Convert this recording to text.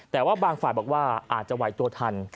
แต่ว่าบางฝ่ายบอกว่าอาจจะไหวตัวทัน